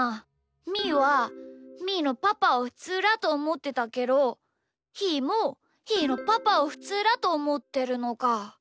みーはみーのパパをふつうだとおもってたけどひーもひーのパパをふつうだとおもってるのか。